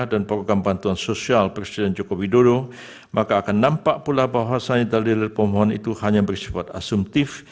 dan program bantuan sosial presiden joko widodo maka akan nampak pula bahwa salin dalil pemohon itu hanya bersebut asumtif